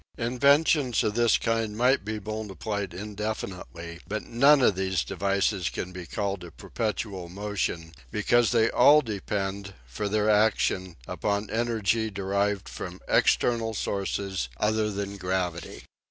Inventions of this kind might be multiplied indefi nitely, but none of these devices can be called a perpetual motion because they all depend for their action upon energy derived from external sources other than gravity.